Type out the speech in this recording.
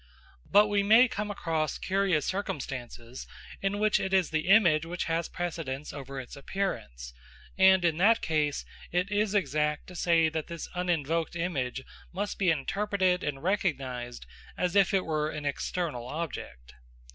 But we may come across curious circumstances in which it is the image which has precedence over its appearance, and in that case it is exact to say that this uninvoked image must be interpreted and recognised as if it were an external object.